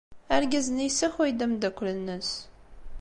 Argaz-nni yessakay-d ameddakel-nnes.